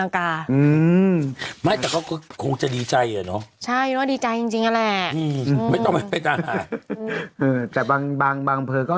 คงจะดีใจเนอะ